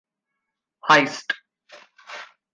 Heist.